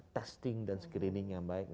testing dan screening yang baik